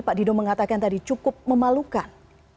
pak dido mengatakan tadi cukup memalukan